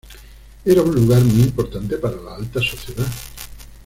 Era un lugar muy importante para la alta sociedad.